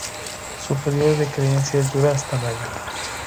Su período de crecidas dura hasta mayo.